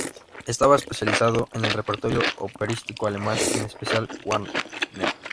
Estaba especializado en el repertorio operístico alemán, en especial Wagner.